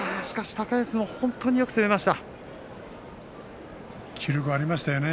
しかし高安も本当によく攻めました。